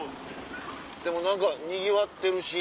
でも何かにぎわってるし。